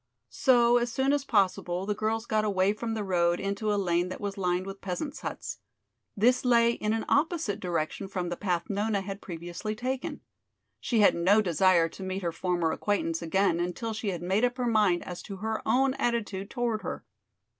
So, as soon as possible, the girls got away from the road into a lane that was lined with peasants' huts. This lay in an opposite direction from the path Nona had previously taken. She had no desire to meet her former acquaintance again until she had made up her mind as to her own attitude toward her.